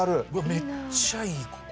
めっちゃいいここ。